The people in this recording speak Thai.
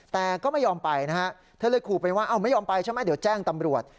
แต่ก็ไม่ยอมไปนะฮะเธอเลยขู่ไปว่าไม่ยอมไปใช่ไหมเดี๋ยวแจ้งตำรวจ